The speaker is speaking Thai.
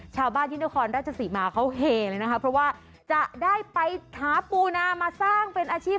ชาวบ้านที่นครราชสีมาเขาเฮเลยนะคะเพราะว่าจะได้ไปหาปูนามาสร้างเป็นอาชีพ